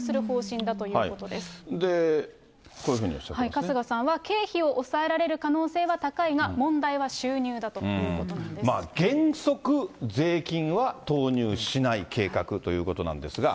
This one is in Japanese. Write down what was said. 春日さんは、経費を抑えられる可能性は高いが、原則、税金は投入しない計画ということなんですが。